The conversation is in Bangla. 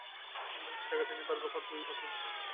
ইতিমধ্যে সেই ডাকাতি নিয়ে দারোগা দু-পাঁচ জনকে ধরা-পাকড়া করছেই।